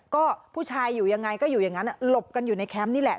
ก็ผู้ชายอยู่ยังไงก็อยู่อย่างนั้นหลบกันอยู่ในแคมป์นี่แหละ